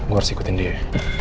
gue harus ikutin dia